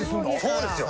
そうですよ！